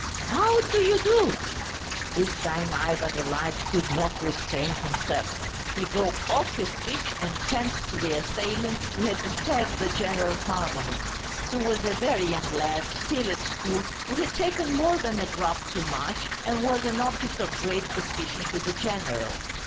"How do you do!" This time Ivan Ilyitch could not restrain himself. He broke off his speech and turned to the assailant who had disturbed the general harmony. He was a very young lad, still at school, who had taken more than a drop too much, and was an object of great suspicion to the general.